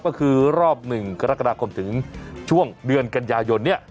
ก็คือรอบ๑กรกฎาคมถึงช่วงเดือนกันยายนเนี่ย